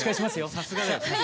さすが。